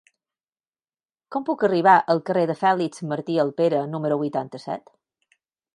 Com puc arribar al carrer de Fèlix Martí Alpera número vuitanta-set?